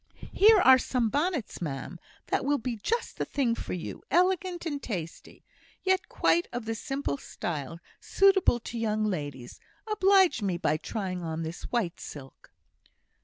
"Here are some bonnets, ma'am, that will be just the thing for you elegant and tasty, yet quite of the simple style, suitable to young ladies. Oblige me by trying on this white silk!"